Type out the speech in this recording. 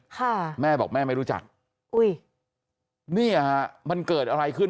ค่ะแม่บอกแม่ไม่รู้จักอุ้ยเนี่ยฮะมันเกิดอะไรขึ้น